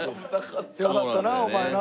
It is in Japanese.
よかったなお前な。